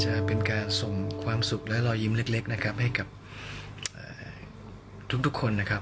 จะเป็นการทรงความสุขและลอยยิ้มเล็กให้ทุกคน